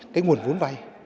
cái nguồn vốn vay